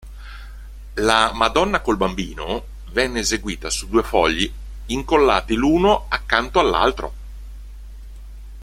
La "Madonna col Bambino" venne eseguita su due fogli incollati l'uno accanto all'altro.